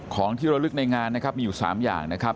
ของที่ระลึกในงานนะครับมีอยู่๓อย่างนะครับ